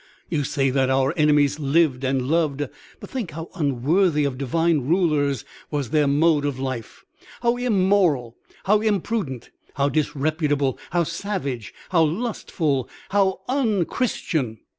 You say that our enemies lived and loved; but think how unworthy of divine rulers was their mode of life, how immoral, how imprudent, how disreputable, how savage, how lustful, how un Chris tian!